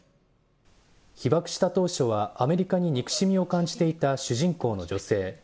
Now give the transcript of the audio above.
被爆した当初はアメリカに憎しみを感じていた主人公の女性。